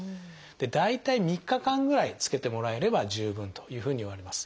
大体３日間ぐらいつけてもらえれば十分というふうにいわれます。